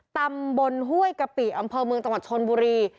ตำบลห้วยกะปิอำเภอเมืองจังหวัดชนบุรี